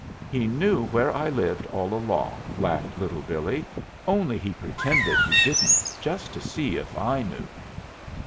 "He knew where I lived all along," laughed Little Billee, "only he pretended he didn't, just to see if I knew."